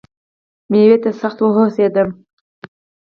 مېوې ته سخت وهوسېدم .